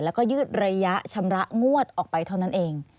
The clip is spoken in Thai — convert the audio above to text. แล้วก็ยืดระยะชำระงวดออกไปเท่านั้นเอง